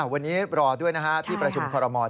วันนี้รอด้วยที่ประชุมคอรมอล